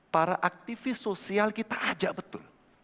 para aktivis sosial kita ajak betul